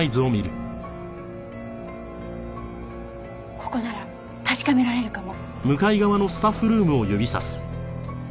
ここなら確かめられるかも。